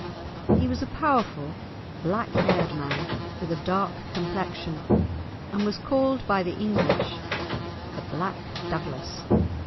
He was a powerful, black haired man with a dark complexion, and was called by the English "The Black Douglas."